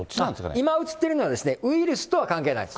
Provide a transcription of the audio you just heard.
今映ってるのはウイルスとは関係ないです。